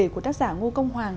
của tác giả ngu công hoàng